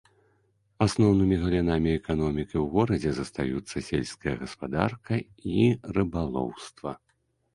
Асноўнымі галінамі эканомікі ў горадзе застаюцца сельская гаспадарка і рыбалоўства.